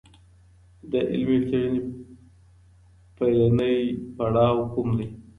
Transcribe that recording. د علمي څېړني پیلنی پړاو کوم دی؟